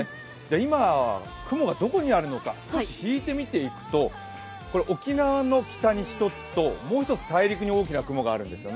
今、雲がどこにあるのか、少し引いて見ていくと、沖縄の北に１つもう一つ大陸に大きな雲があるんですね。